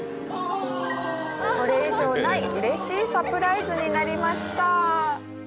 これ以上ない嬉しいサプライズになりました。